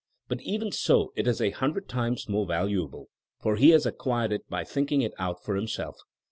But even so it is a hundred times more valuable, for he has acquired it by think ing it out for himself.